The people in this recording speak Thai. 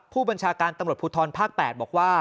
ผู้บัญชาการตำรวจภูทรภาค๘บอกว่า